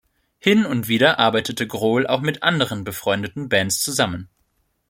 Hin und wieder arbeitete Grohl auch mit anderen, befreundeten Bands zusammen.